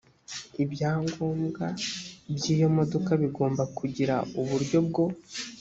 ibyangombwa by iyo modoka bigomba kugira uburyo bwo